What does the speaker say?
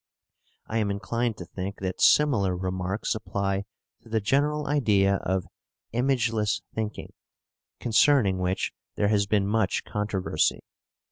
I am inclined to think that similar remarks apply to the general idea of "imageless thinking," concerning which there has been much controversy.